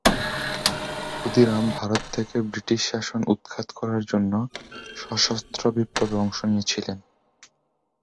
ক্ষুদিরাম ভারত থেকে ব্রিটিশ শাসন উৎখাত করার জন্য সশস্ত্র বিপ্লবে অংশ নিয়েছিলেন।